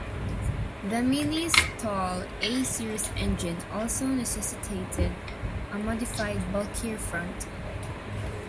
The Mini's tall A-series engine also necessitated a modified, bulkier front.